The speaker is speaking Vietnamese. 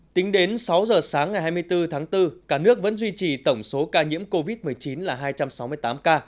tính đến sáu giờ sáng ngày hai mươi bốn tháng bốn cả nước vẫn duy trì tổng số ca nhiễm covid một mươi chín là hai trăm sáu mươi tám ca